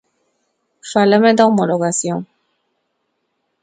Fálame da homologación.